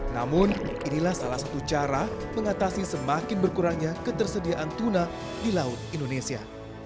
namun inilah salah satu cara mengatasi semakin berkurangnya ketersediaan tuna di laut indonesia